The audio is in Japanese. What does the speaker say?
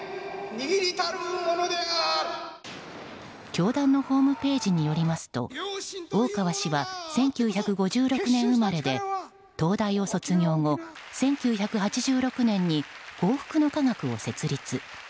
教団のホームページによりますと大川氏は１９５６年生まれで東大を卒業後１９８６年に幸福の科学を設立。